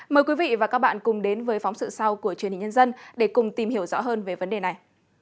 mời quý vị và các bạn cùng đến với phóng sự sau của truyền hình nhân dân để cùng tìm hiểu rõ hơn về vấn đề này